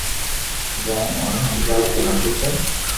جائين اوني ھمجاوُ ڪي متي ڪر